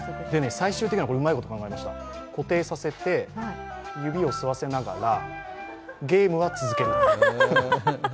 最終的には、うまいこと考えました、固定させて指を吸わせながらゲームは続ける。